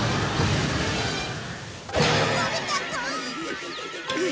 のび太くん！？